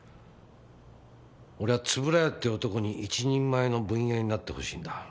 俺は円谷って男に一人前のブン屋になってほしいんだ。